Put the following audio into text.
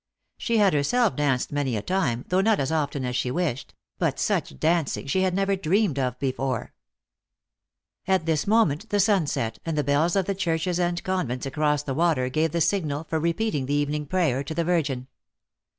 She had herself danced many a time, though not as often as she wished ; but such dancing she had never dreamed of before. At tilts moment the sun set, and the bells of the churches and convents across the water gave the THE ACTRESS IN HIGH LIFE. 299 signal for repeating the evening prayer to the Virgin.